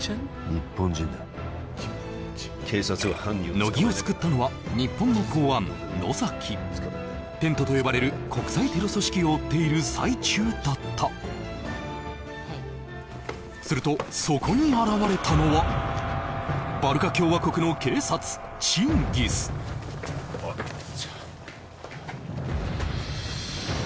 日本人乃木を救ったのは日本の公安野崎テントと呼ばれる国際テロ組織を追っている最中だったするとそこに現れたのはバルカ共和国の警察チンギスお前な！